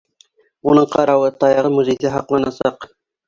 Уның ҡарауы таяғы музейҙа һаҡланасаҡ.